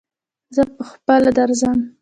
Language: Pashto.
زه پهخپله درځم.